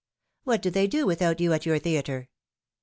What do they do without you at your theatre?"